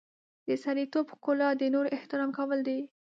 د سړیتوب ښکلا د نورو احترام کول دي.